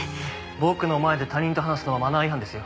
僕の前で他人と話すのはマナー違反ですよ。